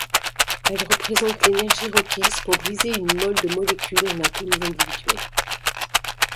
Elle représente l'énergie requise pour briser une mole de molécules en atomes individuels.